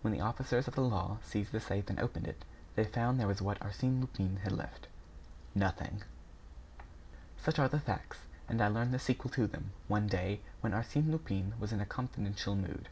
When the officers of the law seized the safe and opened it, they found there what Arsène Lupin had left nothing. Such are the facts; and I learned the sequel to them, one day, when Arsène Lupin was in a confidential mood.